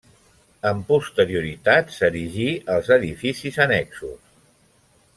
Amb posterioritat s'erigí els edificis annexos.